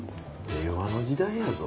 令和の時代やぞ。